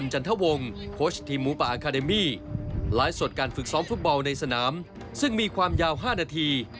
หลายสดการฝึกซ้อมฟุตเบาในสนามซึ่งมีความยาว๕นาที